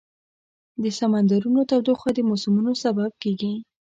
د سمندرونو تودوخه د موسمونو سبب کېږي.